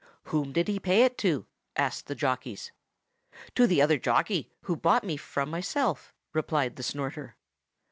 "Whom did he pay it to?" asked the jockeys. "To the other jockey, who bought me from myself," replied the Snorter.